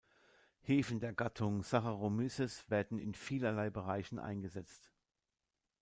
Hefen der Gattung "Saccharomyces" werden in vielerlei Bereichen eingesetzt.